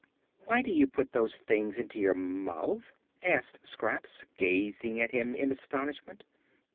"Why do you put those things into your mouth?" asked Scraps, gazing at him in astonishment.